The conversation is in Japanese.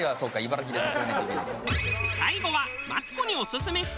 最後はマツコにオススメしたい